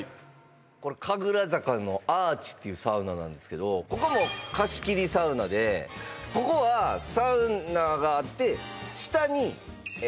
これ神楽坂の「ＡＲＣＨ」っていうサウナなんですけどここも貸切サウナでここはサウナがあって下にえ